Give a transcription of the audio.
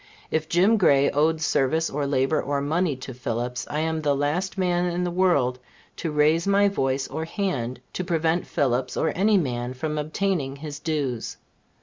If Jim Gray owed service, or labor, or money, to Phillips, I am the last man in the world to raise my voice or hand to prevent Phillips, or any man, from obtaining his dues.